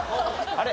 あれ？